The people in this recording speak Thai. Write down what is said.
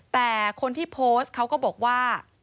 แต่คนที่โพสต์เขาก็บอกว่า